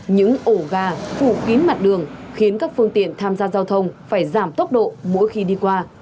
những ổ gà phủ kín mặt đường khiến các phương tiện tham gia giao thông phải giảm tốc độ mỗi khi đi qua